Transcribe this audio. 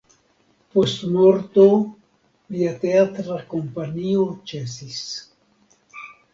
Post morto lia teatra kompanio ĉesis.